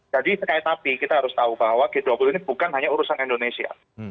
jadi tapi kita harus tahu bahwa g dua puluh ini bukan hanya urusan indonesia